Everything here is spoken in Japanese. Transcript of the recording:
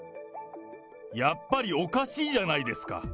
やっぱりおかしいじゃないですか。